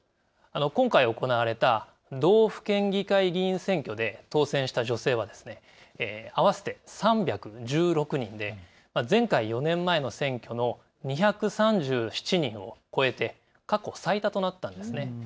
今回行われた道府県議会議員選挙で当選した女性は合わせて３１６人で前回４年前の選挙の２３７人を超えて過去最多となったんですね。